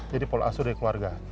jadi pola asur dari keluarga